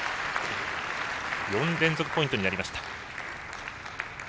４連続ポイントになりました。